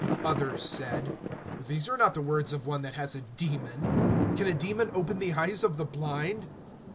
(21)Others said: These are not the words of one that has a demon. Can a demon open the eyes of the blind?